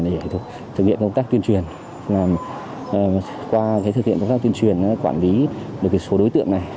để thực hiện công tác tuyên truyền qua thực hiện công tác tuyên truyền quản lý được số đối tượng này